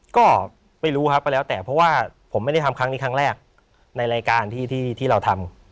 ก็ไม่รู้ครับก็แล้วแต่เพราะว่าผมไม่ได้ทำครั้งนี้ครั้งแรกในรายการที่เราทำ